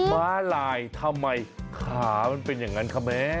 ม้าลายทำไมขามันเป็นอย่างนั้นคะแม่